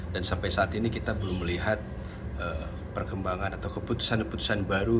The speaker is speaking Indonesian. dan sampai saat ini kita belum melihat perkembangan atau keputusan keputusan baru